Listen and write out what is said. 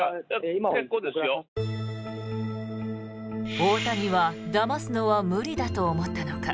オオタニはだますのは無理だと思ったのか